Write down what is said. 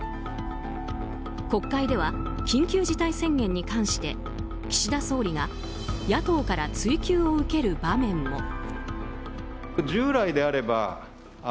国会では緊急事態宣言に関して岸田総理が野党から追及を受ける場面も。